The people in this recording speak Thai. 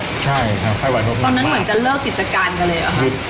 ตอนนั้นเหมือนจะเลิกตรีจการกันเลยแล้วค่ะ